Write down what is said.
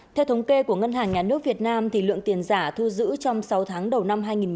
theo thống kê của ngân hàng nhà nước việt nam lượng tiền giả thu giữ trong sáu tháng đầu năm hai nghìn một mươi chín